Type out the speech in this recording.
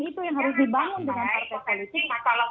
itu yang harus dibangun dengan partai politik